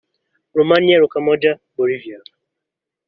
Romina Rocamonje [Bolivia]